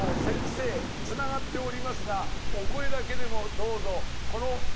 先生つながっておりますがお声だけでもどうぞ。